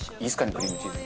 クリームチーズ。